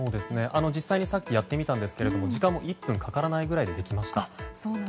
実際にさっきやってみたんですが時間も１分かからないぐらいでできました。